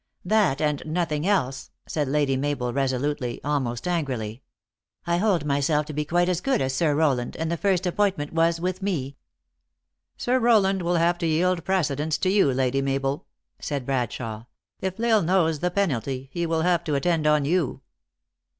"That, and nothing else," said Lady Mabel reso lutely almost angrily. " I hold myself to be quite as good as Sir Rowland, and the first appointment was with me." " Sir Rowland will have to yield precedence to you, Lady Mabel," said Bradshawe. " If L Isle knows the penalty, he will have to attend on you."